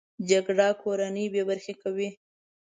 جګړه کورنۍ بې برخې کوي